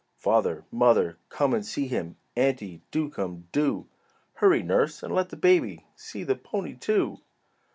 "Father! Mother! Come and see him!" "Auntie, do come! do!" "Hurry, nurse, and let the baby See the pony, too."